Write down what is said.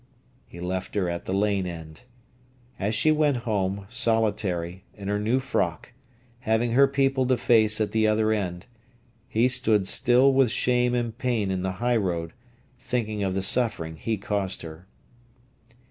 He left her at the lane end. As she went home, solitary, in her new frock, having her people to face at the other end, he stood still with shame and pain in the highroad, thinking of the suffering he caused her.